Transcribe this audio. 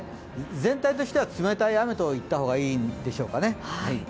全体としては冷たい雨と言った方がいいでしょうか。